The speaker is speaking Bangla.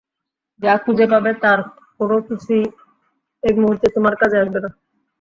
যা খুঁজে পাবে, তার কোনোকিছুই এই মুহূর্তে তোমার কাজে আসবে না।